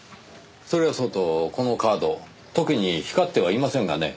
それはそうとこのカード特に光ってはいませんがね。